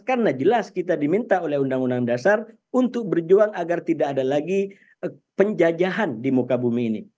karena jelas kita diminta oleh undang undang dasar untuk berjuang agar tidak ada lagi penjajahan di muka bumi ini